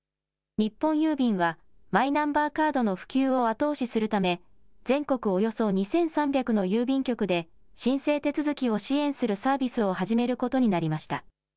日本郵便は、マイナンバーカードの普及を後押しするため、全国およそ２３００の郵便局で申請手続きを支援するサービスを始めることになりました。